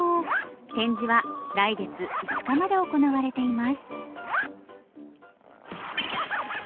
展示は来月５日まで行われています